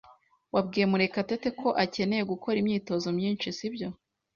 Wabwiye Murekatete ko akeneye gukora imyitozo myinshi, sibyo?